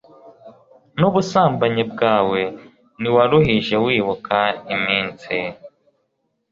n ubusambanyi bwawe ntiwaruhije wibuka iminsi